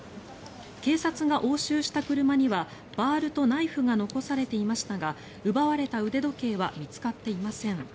警察が押収した車にはバールとナイフが残されていましたが奪われた腕時計は見つかっていません。